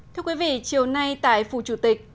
thưa quý vị chiều nay tại phủ chủ tịch